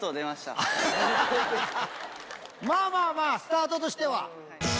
まぁまぁまぁスタートとしては。